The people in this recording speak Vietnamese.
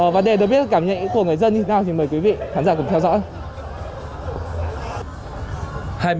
và để được biết cảm nhận của người dân như cao thì mời quý vị khán giả cùng theo dõi